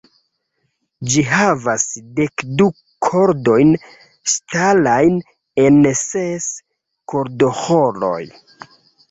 Ĝi havas dekdu kordojn ŝtalajn en ses kordoĥoroj.